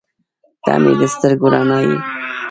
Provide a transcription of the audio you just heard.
• ته مې د سترګو رڼا یې.